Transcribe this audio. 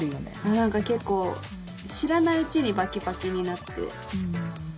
何か結構知らないうちにバキバキになって。